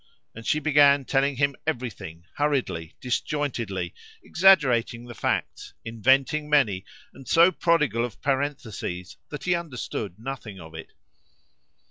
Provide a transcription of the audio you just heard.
And she began telling him everything, hurriedly, disjointedly, exaggerating the facts, inventing many, and so prodigal of parentheses that he understood nothing of it.